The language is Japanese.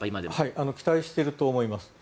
期待していると思います。